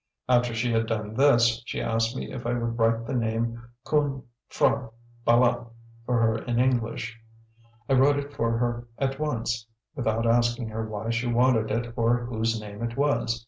After she had done this, she asked me if I would write the name "Khoon P'hra Bâlât" for her in English. I wrote it for her at once, without asking her why she wanted it or whose name it was.